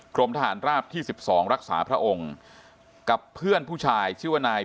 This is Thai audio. กรมทหารราบที่๑๒รักษาพระองค์กับเพื่อนผู้ชายชื่อว่านาย